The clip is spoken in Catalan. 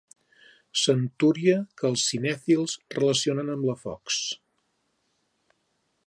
Centúria que els cinèfils relacionen amb la Fox.